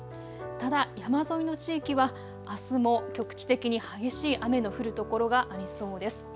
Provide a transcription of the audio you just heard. ただ山沿いの地域はあすも局地的に激しい雨の降るところがありそうです。